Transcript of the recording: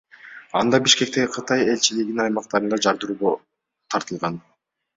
Анда Бишкектеги Кытай элчилигинин аймагындагы жардыруу тартылган.